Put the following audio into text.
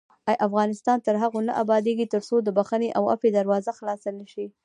افغانستان تر هغو نه ابادیږي، ترڅو د بښنې او عفوې دروازه خلاصه نشي.